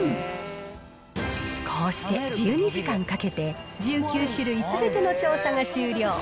こうして１２時間かけて、１９種類すべての調査が終了。